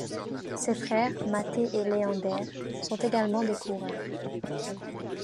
Ses frères Matthé et Leander sont également des coureurs.